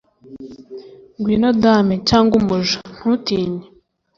Ngwino dame cyangwa umuja, ntutinye,